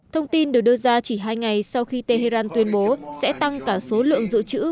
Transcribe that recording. thông tin được đưa ra chỉ hai ngày sau khi tehran tuyên bố sẽ tăng cả số lượng dự trữ